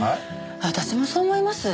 私もそう思います。